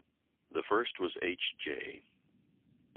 The first was H. J.